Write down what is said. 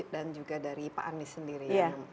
dan juga dari pak anies sendiri